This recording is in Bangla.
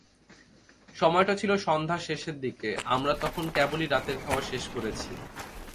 সময়টা ছিল সন্ধ্যার শেষের দিকে, আমরা তখন কেবলই রাতের খাওয়া শেষ করেছি।